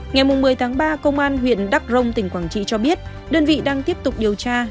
ngày một mươi tháng ba công an huyện đắk rông tỉnh quảng trị cho biết đơn vị đang tiếp tục điều tra